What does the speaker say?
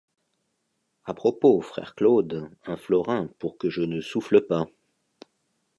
À propos, frère Claude, un florin pour que je ne souffle pas.